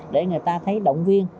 để người ta thấy động viên